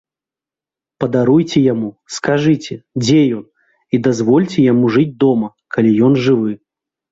Падаруйце яму, скажыце, дзе ён, і дазвольце яму жыць дома, калі ён жывы.